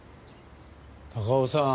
高尾さん。